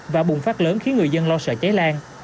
và bùng phát lớn khiến người dân lo sợ cháy lan